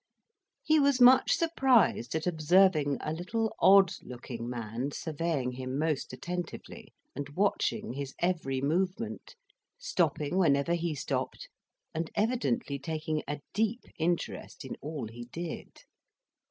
He was much surprised at observing a little odd looking man surveying him most attentively, and watching his every movement; stopping whenever he stopped, and evidently taking a deep interest in all he did.